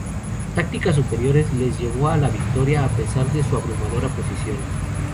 Tácticas superiores les llevó a la victoria a pesar de su abrumadora oposición.